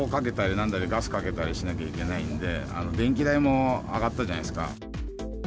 なんだり、ガスかけたりしなきゃいけないので、電気代も上がったじゃないですか。